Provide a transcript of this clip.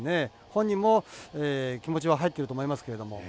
本人も気持ちは入っていると思いますけれども。